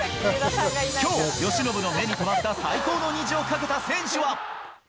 今日、由伸の目に止まった、最高の虹をかけた選手は。